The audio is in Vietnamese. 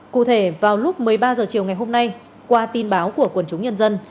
cụ thể vào lúc một mươi ba h chiều ngày hôm nay qua tin báo của quần chúng nhân dân